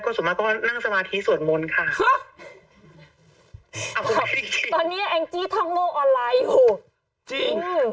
ส่วนมากก็มานั่งสมาธิสวดมนต์ค่ะตอนเนี้ยแองจี้ท่องโลกออนไลน์โหจริง